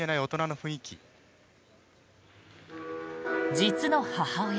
実の母親